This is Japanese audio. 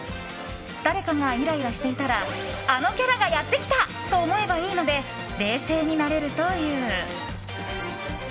誰かがイライラしていたらあのキャラがやってきたと思えばいいので冷静になれるという。